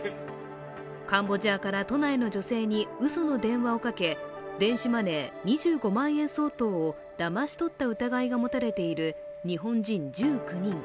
カンボジアから都内の女性にうその電話をかけ電子マネー２５万円相当をだまし取った疑いが持たれている日本人１９人。